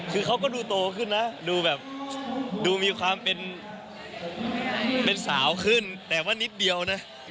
คือเขาก็ดูโตขึ้นนะดูแบบดูมีความเป็นสาวขึ้นแต่ว่านิดเดียวนะ